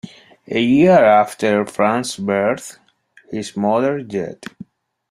A year after Franz's birth, his mother died.